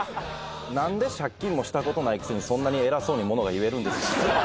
何で借金もしたことないくせにそんなに偉そうに物が言えるんですか？